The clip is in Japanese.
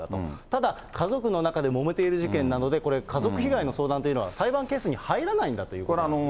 ただ、家族の中でもめている事件なので、家族被害の相談というのは、裁判件数に入らないんだということなんですね。